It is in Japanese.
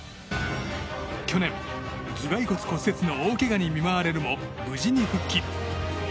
去年、頭蓋骨骨折の大けがに見舞われるも無事に復帰。